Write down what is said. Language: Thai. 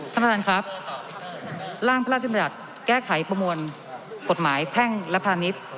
ท่านประธานครับร่างพระราชบัญญัติแก้ไขประมวลกฎหมายแพ่งและพาณิชย์